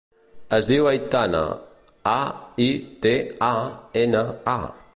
Es diu Aitana: a, i, te, a, ena, a.